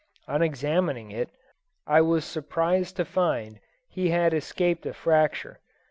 On examining it, I was surprised to find he had escaped a fracture.